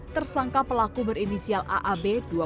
tersangka pelaku berinisial aab